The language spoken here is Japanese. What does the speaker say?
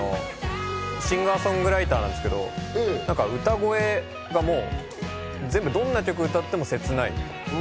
シンガー・ソングライターなんですけど、歌声がもう、どんな曲を歌っても切ない。